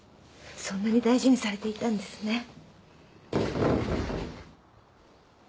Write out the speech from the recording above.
そんなに大事にされていたんですね。